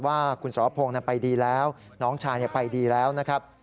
ว่าคุณสรพงศ์ไปดีแล้วน้องชายไปดีแล้วนะครับ